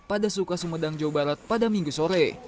pada suka sumedang jawa barat pada minggu sore